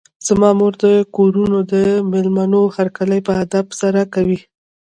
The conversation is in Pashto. زما مور د کورونو د مېلمنو هرکلی په ادب سره کوي.